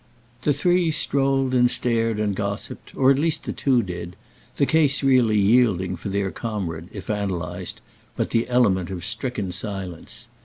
The three strolled and stared and gossiped, or at least the two did; the case really yielding for their comrade, if analysed, but the element of stricken silence.